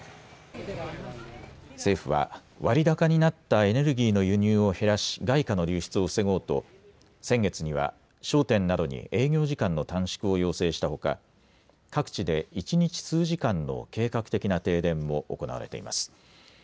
政府は割高になったエネルギーの輸入を減らし外貨の流出を防ごうと先月には商店などに営業時間の短縮を要請したほか各地で一日数時間の計画的な停電も行われています。